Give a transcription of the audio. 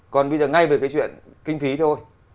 còn bây giờ ngay về cái chuyện kinh phí thôi